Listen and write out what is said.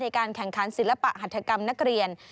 การแข่งขันศิลปะหัฐกรรมนักเรียน